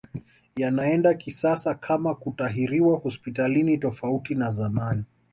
Yanaenda kisasa kama kutahiriwa hospitalini tofauti na zamani